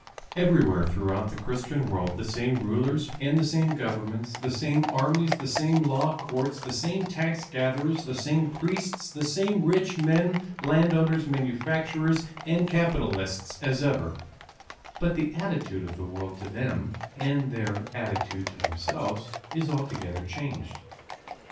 Everywhere throughout the Christian world the same rulers, and the same governments, the same armies, the same law courts, the same tax gatherers, the same priests, the same rich men, landowners, manufacturers, and capitalists, as ever, but the attitude of the world to them, and their attitude to themselves is altogether changed.